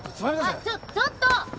あっちょちょっと。